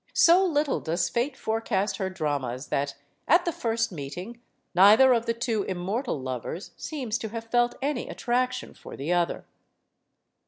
So little does Fate forecast her dramas that at the first meeting, neither of the two immortal lovers seems to have felt any attraction for the other.